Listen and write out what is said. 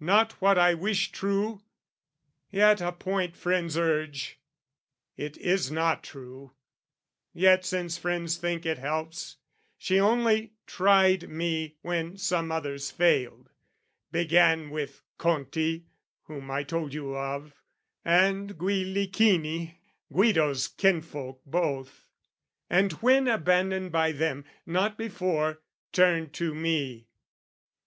Not what I wish true, yet a point friends urge: It is not true, yet, since friends think it helps, She only tried me when some others failed Began with Conti, whom I told you of, And Guillichini, Guido's kinsfolk both, And when abandoned by them, not before, Turned to me.